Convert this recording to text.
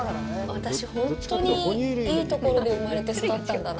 私、本当にいいところで生まれて育ったんだな。